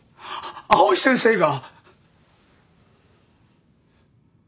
藍井先生が。